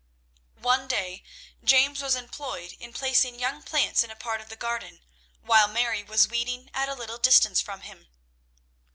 One day James was employed in placing young plants in a part of the garden, while Mary was weeding at a little distance from him.